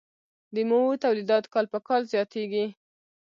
د میوو تولیدات کال په کال زیاتیږي.